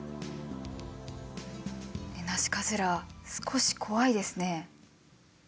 ネナシカズラ少し怖いですね。